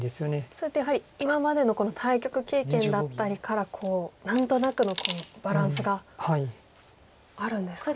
それってやはり今までの対局経験だったりから何となくのバランスがあるんですかね。